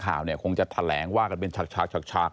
ข่าวเนี่ยคงจะแถลงว่ากันเป็นฉาก